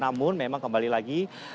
namun memang kembali lagi